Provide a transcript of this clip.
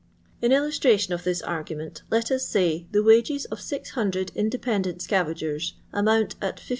In illustration of this argument let ns say the wages of 600 independent scaragers amount, at 15s.